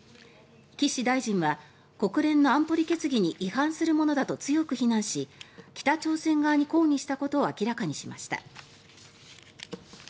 岸大臣は国連の安保理決議に違反するものだと強く非難し北朝鮮側に抗議したことを明らかにしました。